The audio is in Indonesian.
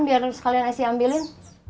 biar sekalian asli ambilin